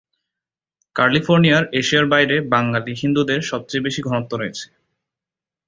ক্যালিফোর্নিয়ার এশিয়ার বাইরে বাঙালি হিন্দুদের সবচেয়ে বেশি ঘনত্ব রয়েছে।